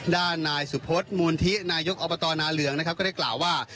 ด้านนายสุพธิ์มูลทิตินายยกอัปตนาเหลืองก็ได้กล่าวว่า